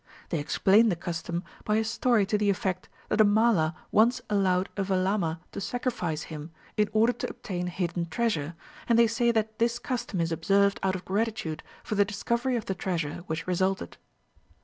They explain the custom by a story to the effect that a Mala once allowed a Velama to sacrifice him in order to obtain a hidden treasure, and they say that this custom is observed out of gratitude for the discovery of the treasure which resulted.